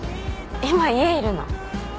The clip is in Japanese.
今家いるの？